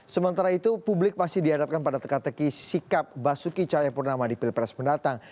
sementara itu publik masih dihadapkan pada teka teki sikap basuki cahayapurnama di pilpres mendatang